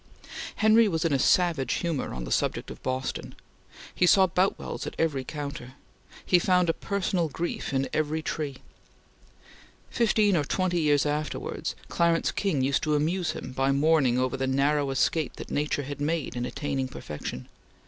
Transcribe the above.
Henry was in a savage humor on the subject of Boston. He saw Boutwells at every counter. He found a personal grief in every tree. Fifteen or twenty years afterwards, Clarence King used to amuse him by mourning over the narrow escape that nature had made in attaining perfection.